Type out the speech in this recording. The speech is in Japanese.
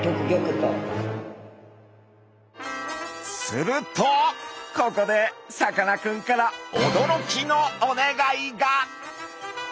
するとここでさかなクンから驚きのお願いが！